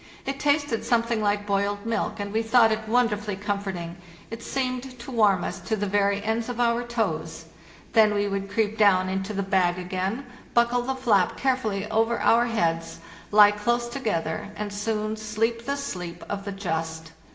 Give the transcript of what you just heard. It tasted some thing like boiled milk, and we thought it wonderfully comforting; it seemed to warm us to the very ends of our toes. Then we would creep down into the bag WE SAY GOOD BYVE TO THE "FRAM" 147 again, buckle the flap carefully over our heads, lie close together, and soon sleep the sleep of the just.